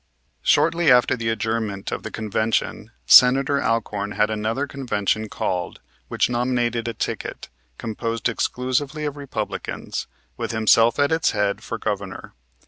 Shortly after the adjournment of the convention Senator Alcorn had another convention called which nominated a ticket, composed exclusively of Republicans, with himself at its head for Governor.